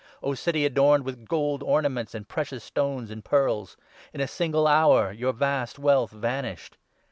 O City adorned with gold ornaments, and precious stones, and pearls ! In a single hour your vast wealth vanished.'